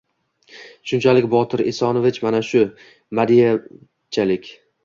Shunchalik, Botir Esonovich, mana shu... Madievchalik!